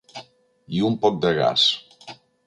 I un poc de gas.